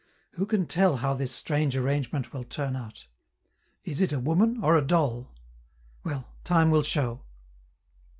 Who can tell how this strange arrangement will turn out? Is it a woman or a doll? Well, time will show.